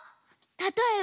たとえば。